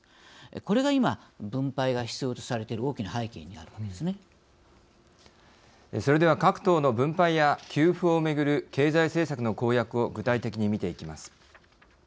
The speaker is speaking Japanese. これが今、分配が必要とされている大きな背景にそれでは各党の分配や給付をめぐる経済政策の公約を具体的に見ていきます。